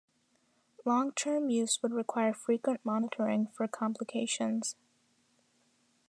Long-term use would require frequent monitoring for complications.